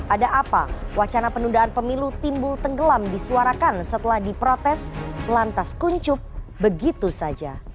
ada apa wacana penundaan pemilu timbul tenggelam disuarakan setelah diprotes lantas kuncup begitu saja